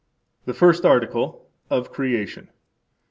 The First Article. Of Creation.